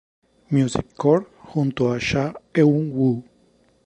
Music Core" junto a Cha Eun-woo.